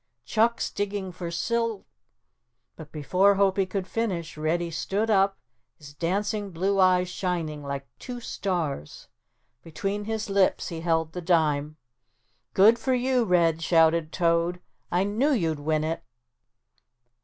"Chuck's digging for sil " but before Hopie could finish Reddy stood up, his dancing blue eyes shining like two stars. Between his lips he held the dime. "Good for you, Red," shouted Toad, "I knew you'd win it."